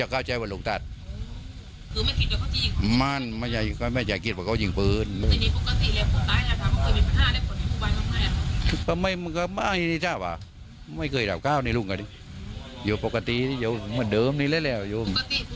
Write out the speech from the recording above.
เราอยากเป็นแบบเดือนแหล่ะยกสมมุติตัวดีแหละครับ